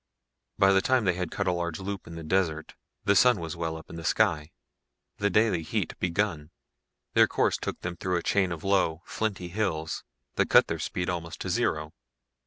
By the time they had cut a large loop in the desert the sun was well up in the sky, the daily heat begun. Their course took them through a chain of low, flinty hills that cut their speed almost to zero.